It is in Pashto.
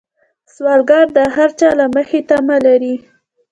سوالګر د هر چا له مخې تمه لري